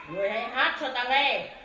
ngươi hãy hát cho ta nghe